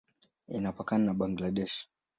Inapakana na Bangladesh.